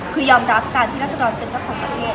คือยอมรับการที่รัศดรเป็นเจ้าของประเทศ